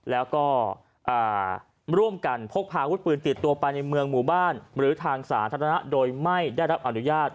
แล้วก็ร่วมกันพกพาอาวุธปืนติดตัวไปในเมืองหมู่บ้านหรือทางสาธารณะโดยไม่ได้รับอนุญาต